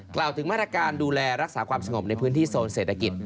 กล่าวถึงมาตรการดูแลรักษาความสงบในพื้นที่โซนเศรษฐกิจ